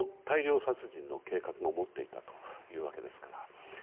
別の大量殺人の計画も持っていたというわけですから。